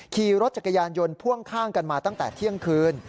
ขี่รถจักรยานยนต์พ่วงข้างกันมาตั้งแต่เที่ยงคืน